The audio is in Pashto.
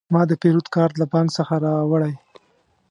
ما د پیرود کارت له بانک څخه راوړی.